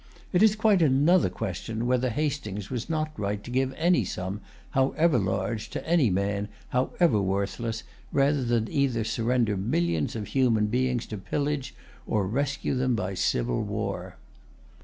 It is quite another question, whether Hastings was not right to give any sum, however large, to any man, however worthless, rather than either surrender millions of human beings to pillage, or rescue them by civil war.